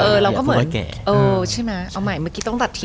เออเราก็เหมือนเอาใหม่เมื่อกี้ต้องตัดที